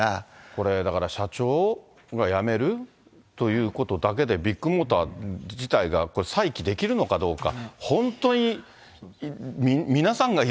これ、だから社長が辞めるということだけで、ビッグモーター自体が再起できるのかどうか。